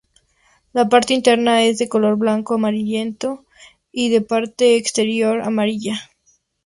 La parte interna es de color blanco amarillento y la parte exterior es amarilla.